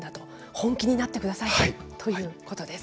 本気になってくださいということです。